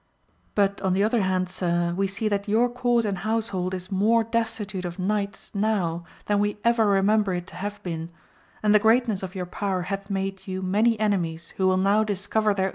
But on the other hand sir, we see that your court and household is more destitute of knights now than we ever remember it to have been ; and the greatness of your power hath made you many enemies who will now discover their